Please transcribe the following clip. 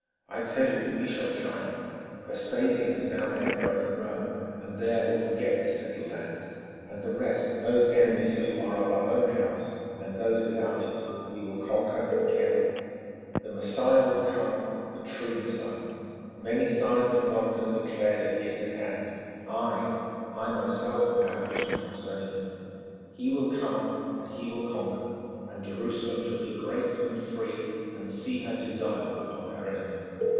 I tell you that we shall triumph. Vespasian is now Emperor in Rome, and there will forget this little land; and the rest, those enemies who are of our own house and those without it, we will conquer and kill. The Messiah will come, the true Messiah. Many signs and wonders declare that he is at hand. Ay! I myself have had a vision concerning him. He will come, and he will conquer, and Jerusalem shall be great and free and see her desire upon her enemies.